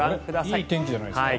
いい天気じゃないですか。